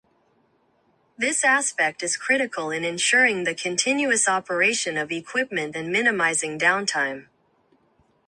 This aspect is critical in ensuring the continuous operation of equipment and minimizing downtime.